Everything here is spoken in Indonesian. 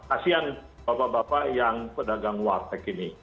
asian bapak bapak yang pedagang warteg ini